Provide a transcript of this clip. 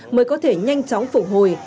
mới có thể nhanh chóng phục hồi